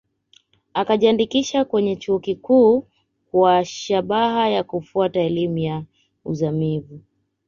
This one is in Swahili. Akajiandikisha kwenye chuo kikuu kwa shabaha ya kufuata elimu ya uzamivu